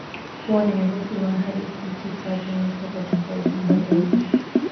huwa na urefu wa hadi futi tatu nukta tatu kwa ukubwa zaidi